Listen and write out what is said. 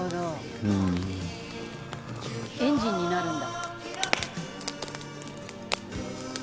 「エンジンになるんだ」